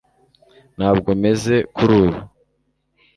Ntabwo meze kuri ubu